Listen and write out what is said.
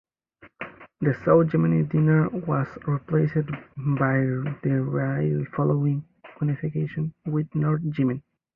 The South Yemeni dinar was replaced by the rial following unification with North Yemen.